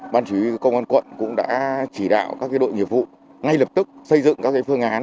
ban chỉ huy công an quận cũng đã chỉ đạo các đội nghiệp vụ ngay lập tức xây dựng các phương án